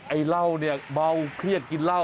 ไอ้เหล้าเนี่ยเมาเครียดกินเหล้า